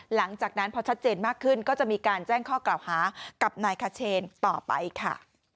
หลังจากนั้นพอชัดเจนมากขึ้นก็จะมีการแจ้งข้อกล่าวหากับนายคเชนต่อไปค่ะ